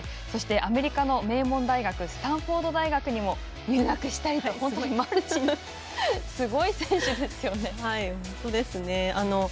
そして、アメリカの名門大学スタンフォード大学にも入学したりとマルチに、すごい選手ですよね。